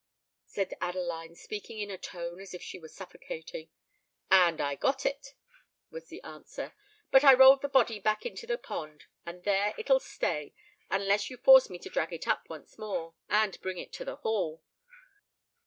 said Adeline, speaking in a tone as if she were suffocating. "And I got it," was the answer. "But I rolled the body back again into the pond; and there it'll stay—unless you force me to drag it up once more, and bring it to the Hall."